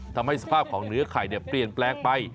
ทำให้สภาพของเนื้อไข่เปลี่ยนแปลงไป